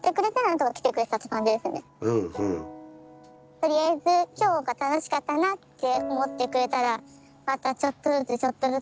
とりあえず今日が楽しかったなって思ってくれたらまたちょっとずつちょっとずつ。